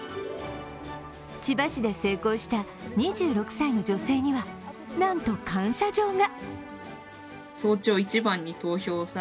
千葉市で成功した２６歳の女性には、なんと感謝状が。